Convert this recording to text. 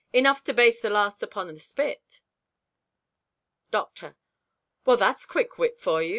_—"Enough to baste the last upon the spit." Doctor.—"Well, that's quick wit for you.